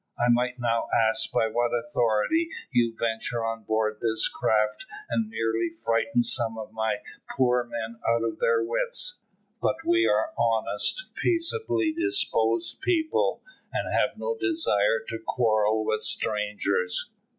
I might now ask by what authority you ventured on board this craft and nearly frightened some of my poor men out of their wits; but we are honest, peaceably disposed people, and have no desire to quarrel with strangers."